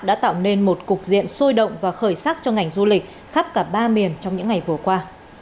đã tạo nên một cục diện sôi động và khởi sắc cho ngành du lịch khắp cả ba miền trong những ngày vừa qua